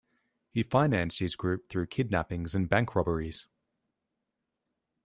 He financed his group through kidnappings and bank robberies.